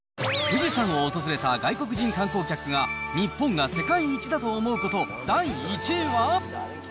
富士山を訪れた外国人観光客が、日本が世界一だと思うこと第１位は。